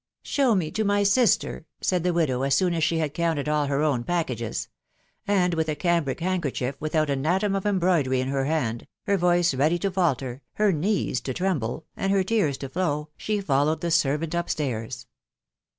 Show me to my sister !" said the m<\o^, *& wtfw ^ i 2 M6 the widow barnaby. had counted all her own packages ; and with a cambric hand kerchief, without an atom of embroidery, in her hand, her voice ready to falter, her knees to tremble, and her tears to flow, she followed the servant up stairs.